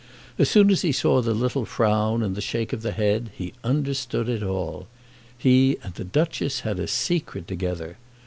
As soon as he saw the little frown and the shake of the head, he understood it all. He and the Duchess had a secret together.